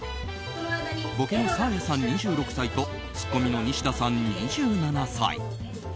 ボケのサーヤさん、２６歳とツッコミのニシダさん、２７歳。